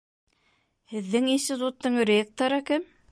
Һеҙҙең институттың ректоры кем?